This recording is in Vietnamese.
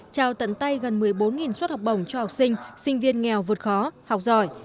trao tận tay gần một mươi bốn suất học bổng cho học sinh sinh viên nghèo vượt khó học giỏi